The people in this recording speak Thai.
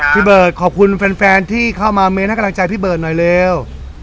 พี่เบิร์ดขอบคุณแฟนที่เข้ามาเม้นให้กำลังใจพี่เบิร์ตหน่อยเร็ว